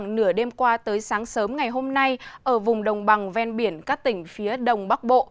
nửa đêm qua tới sáng sớm ngày hôm nay ở vùng đồng bằng ven biển các tỉnh phía đông bắc bộ